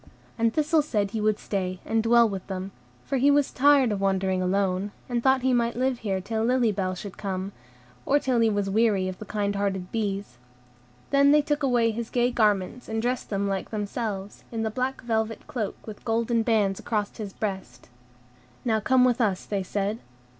And Thistle said he would stay and dwell with them; for he was tired of wandering alone, and thought he might live here till Lily Bell should come, or till he was weary of the kind hearted bees. Then they took away his gay garments, and dressed him like themselves, in the black velvet cloak with golden bands across his breast. "Now come with us," they said.